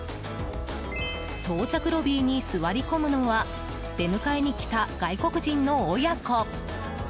到着ロビーに座り込むのは出迎えに来た外国人の親子。